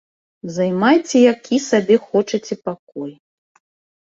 Займайце які сабе хочаце пакой.